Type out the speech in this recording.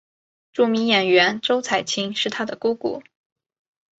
著名演员周采芹是她的姑姑。